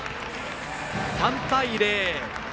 ３対０！